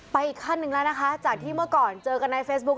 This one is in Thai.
อีกขั้นหนึ่งแล้วนะคะจากที่เมื่อก่อนเจอกันในเฟซบุ๊ค